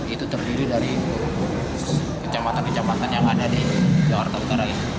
itu terdiri dari kecamatan kecamatan yang ada di jakarta utara ini